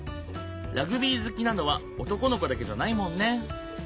ラグビー好きなのは男の子だけじゃないもんね。